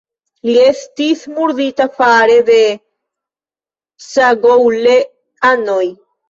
Li estis murdita fare de Cagoule-anoj.